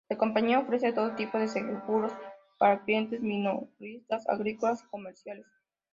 La compañía ofrece todo tipo de seguros para clientes minoristas, agrícolas y comerciales.